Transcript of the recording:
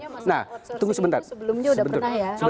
sebetulnya mas outsourcing itu sebelumnya sudah pernah ya